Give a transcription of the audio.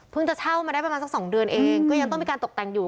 จะเช่ามาได้ประมาณสัก๒เดือนเองก็ยังต้องมีการตกแต่งอยู่